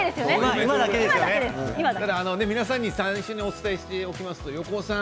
皆さんに最初にお伝えしておきますと、横尾さん